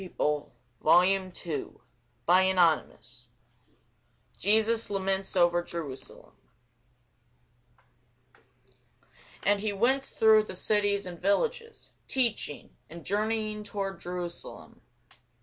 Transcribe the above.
[Sidenote: St. Luke 13] CHAPTER 42 JESUS LAMENTS OVER JERUSALEM AND he went through the cities and villages, teaching, and journeying toward Jerusalem.